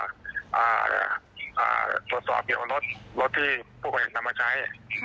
ตรวจสอบรถที่พวกเขาทำมาใช้